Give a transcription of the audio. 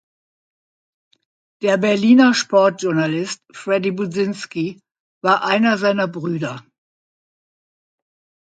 Der Berliner Sportjournalist Fredy Budzinski war einer seiner Brüder.